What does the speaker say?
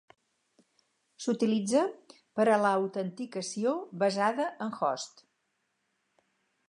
S'utilitza per a l'autenticació basada en host.